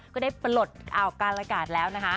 ก็ได้ปลดอ่าวการละกาศแล้วนะคะ